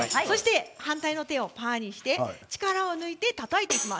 反対の手をパーにして力を抜いてたたいていきます。